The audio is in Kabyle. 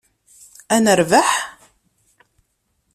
Ad nerbeḥ?